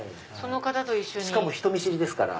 しかも人見知りですから。